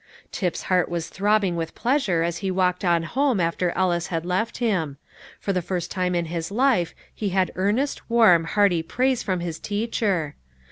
Tip's heart was throbbing with pleasure as he walked on home after Ellis had left him. For the first time in his life he had earnest, warm, hearty praise from his teacher.